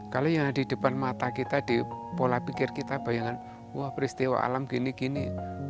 kalau yang di depan mata kita di pola pikir kita bayangan wah peristiwa alam gini gini